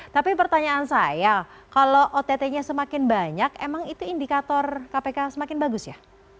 tapi pertanyaan saya kalau ott nya semakin banyak emang itu indikator kpk semakin bagus ya